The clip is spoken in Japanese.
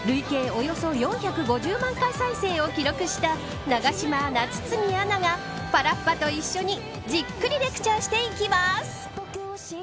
およそ４５０万回再生を記録した永島アナ、堤アナがパラッパと一緒に、じっくりレクチャーしていきます。